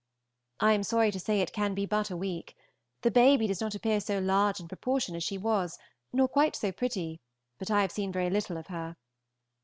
I am sorry to say it can be but a week. The baby does not appear so large in proportion as she was, nor quite so pretty, but I have seen very little of her.